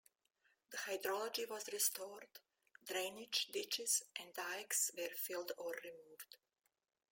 The hydrology was restored; drainage ditches and dikes were filled or removed.